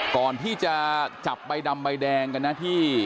ก่อนที่จะจับใบดำใบแดงกันนะที่